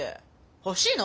欲しいの？